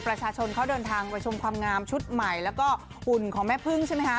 ประชาชนเขาเดินทางไปชมความงามชุดใหม่แล้วก็หุ่นของแม่พึ่งใช่ไหมคะ